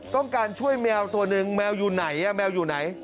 ต้องการช่วยแมวตัวหนึ่งแมวอยู่ไหนแมวอยู่ไหน